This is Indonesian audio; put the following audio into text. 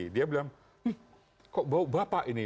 dia bilang kok bau bapak ini